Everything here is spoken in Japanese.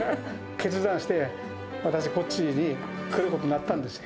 決断して、私がこっちに来ることになったんですよ。